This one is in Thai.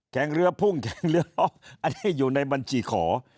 งเรือพุ่งแข่งเรืออันนี้อยู่ในบัญชีขอ